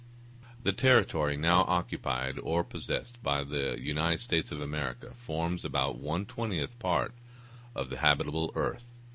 The territory now occupied or possessed by the United States of America forms about one twentieth part of the habitable earth.